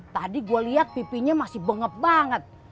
tadi gue lihat pipinya masih bengep banget